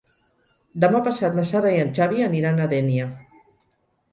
Demà passat na Sara i en Xavi aniran a Dénia.